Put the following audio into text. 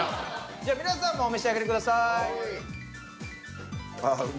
じゃ皆さんもお召し上がりください。